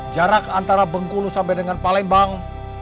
jarak antara bengkulu sampai dengan palembang